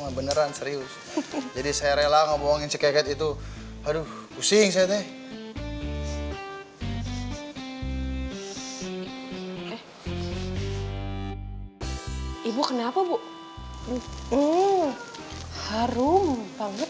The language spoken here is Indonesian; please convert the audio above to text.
mah beneran serius jadi saya rela ngomongin ceket itu aduh pusing seteh ibu kenapa bu harum banget